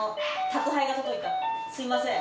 すみません。